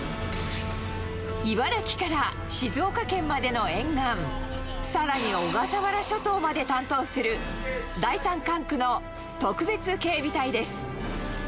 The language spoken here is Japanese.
茨城から静岡県までの沿岸、さらに小笠原諸島まで担当する、第３管区の特別警備隊です。